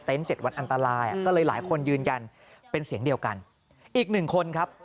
เต็นต์๗วันอันตราเลยหลายคนยืนยันเป็นเสียงเดียวกันอีก๑